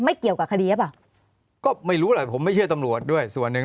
เกี่ยวกับคดีหรือเปล่าก็ไม่รู้แหละผมไม่เชื่อตำรวจด้วยส่วนหนึ่ง